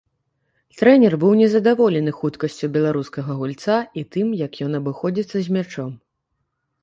Трэнер быў незадаволены хуткасцю беларускага гульца і тым, як ён абыходзіцца з мячом.